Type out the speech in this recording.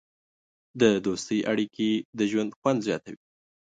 د دوستۍ اړیکې د ژوند خوند زیاتوي.